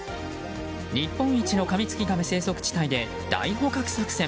日本一のカミツキガメ生息地帯で大捕獲作戦。